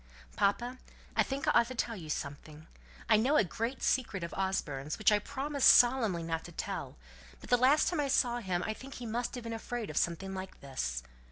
"Papa, I think I ought to tell you something. I know a great secret of Osborne's, which I promised solemnly not to tell; but the last time I saw him I think he must have been afraid of something like this."